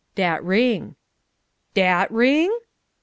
"Dat ring." "Dat ring?"